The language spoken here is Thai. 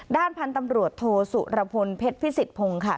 ด้านพันธุ์ตำรวจโทสุรพลเพชรพิสิทธพงศ์ค่ะ